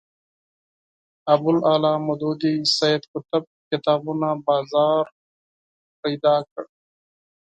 ابوالاعلی مودودي سید قطب کتابونو بازار پیدا کړ